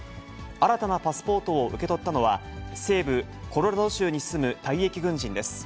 新たなパスポートを受け取ったのは、西部コロラド州に住む退役軍人です。